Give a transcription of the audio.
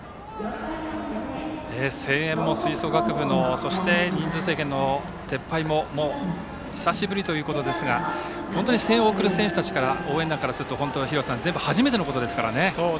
声援も、吹奏楽部もそして人数制限の撤廃も久しぶりということですが本当に声援を送る応援団からすると廣瀬さん、全部初めてのことですからね。